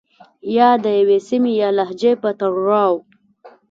يا د يوې سيمې يا لهجې په تړاو